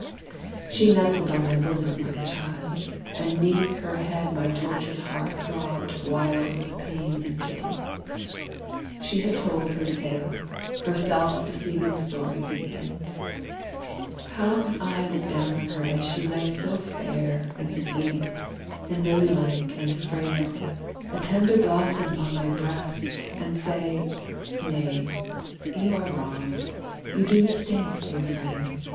She nestled on my bosom like a child. And 'neath her head my tortured heart throbbed wild With pain and pity. She had told her tale Her self deceiving story to the end. How could I look down on her as she lay So fair, and sweet, and lily like, and frail A tender blossom on my breast, and say, "Nay, you are wrong you do mistake, dear friend!